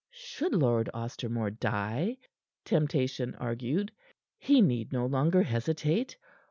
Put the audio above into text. Should Lord Ostermore die, Temptation argued, he need no longer hesitate.